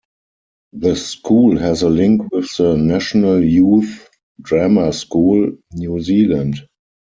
The school has a link with the National Youth Drama School, New Zealand.